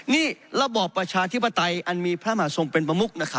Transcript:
นี่ระบอบประชาธิปไตยอันมีพระมหาทรงเป็นประมุกนะครับ